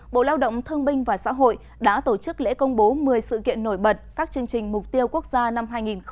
bộ lao động thương binh và xã hội đã tổ chức lễ công bố một mươi sự kiện nổi bật các chương trình mục tiêu quốc gia năm hai nghìn một mươi chín